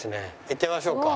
行ってみましょうか。